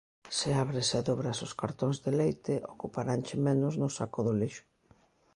Se abres e dobras os cartóns de leite ocuparanche menos no saco do lixo